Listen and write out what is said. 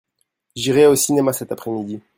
J'irai au cinéma cet après-midi.